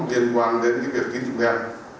liên quan đến cái việc tính dụng đen